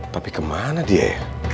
tapi kemana dia